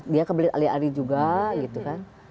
dia kebelet ari ari juga gitu kan